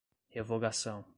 revogação